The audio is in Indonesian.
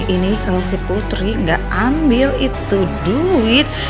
ini kalau si putri nggak ambil itu duit